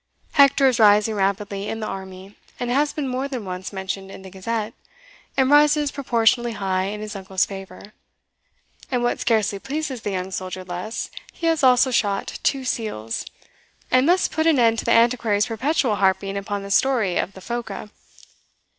Hector is rising rapidly in the army, and has been more than once mentioned in the Gazette, and rises proportionally high in his uncle's favour; and what scarcely pleases the young soldier less, he has also shot two seals, and thus put an end to the Antiquary's perpetual harping upon the story of the phoca.